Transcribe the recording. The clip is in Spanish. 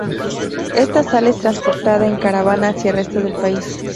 Esta sal es transportada en caravana hacia el resto del país.